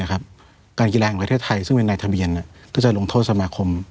การกีฬาของประเทศไทยก็จะลงโทษสมาคม